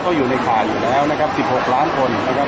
ก็อยู่ในข่ายอยู่แล้วนะครับ๑๖ล้านคนนะครับ